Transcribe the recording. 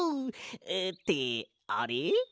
ってあれ？